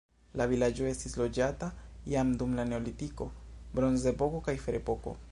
La vilaĝo estis loĝata jam dum la neolitiko, bronzepoko kaj ferepoko.